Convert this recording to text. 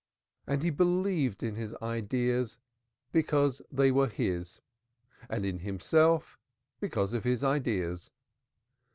And he believed in his ideas because they were his and in himself because of his ideas.